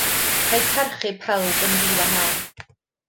Rhaid parchu pawb yn ddiwahân.